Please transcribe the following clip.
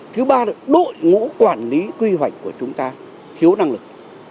thứ ba là đội ngũ quản lý quy hoạch của chúng ta thiếu năng lực